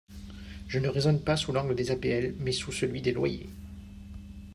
Je ne raisonne pas sous l’angle des APL mais sous celui des loyers.